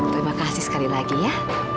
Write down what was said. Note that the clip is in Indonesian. terima kasih sekali lagi ya